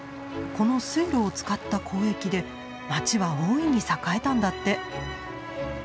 この水路を使った交易で街は大いに栄えたんだって。